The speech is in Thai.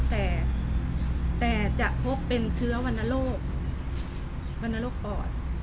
แต่จะพบเป็นเชื้อวันโลกปอด